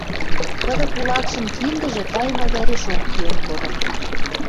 Кыды кулакшын киндӹжӹ тайымы вӓрешок киэн кодын